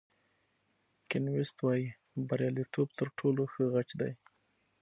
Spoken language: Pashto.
کین ویست وایي بریالیتوب تر ټولو ښه غچ دی.